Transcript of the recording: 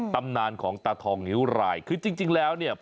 ตำนานของตาทองนิ้วรายคือจริงแล้วเนี่ย